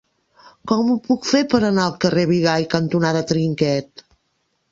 Com ho puc fer per anar al carrer Bigai cantonada Trinquet?